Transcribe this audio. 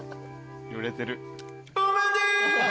揺れてる。